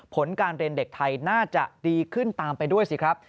ผลการเรียนเด็กไทยน่าจะดีขึ้นตามไปด้วยสิครับ